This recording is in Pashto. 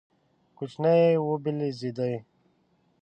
کوچنی یې وبلېږدی،